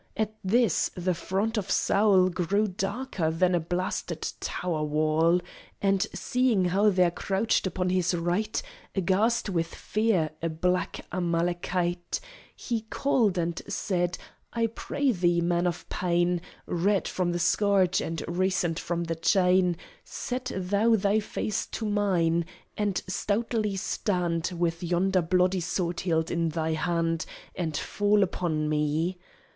At this the front of Saul Grew darker than a blasted tower wall; And seeing how there crouched upon his right, Aghast with fear, a black Amalekite, He called, and said: "I pray thee, man of pain, Red from the scourge, and recent from the chain, Set thou thy face to mine, and stoutly stand With yonder bloody sword hilt in thy hand, And fall upon me."